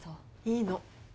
いいの。